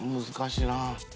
難しいな。